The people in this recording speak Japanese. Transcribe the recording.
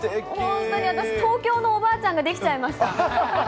本当に、私、東京のおばあちゃんが出来ちゃいました。